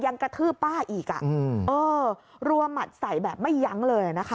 ยังกระทืบป้าอีกอ่ะอืมเออรัวหมัดใส่แบบไม่ยั้งเลยนะคะ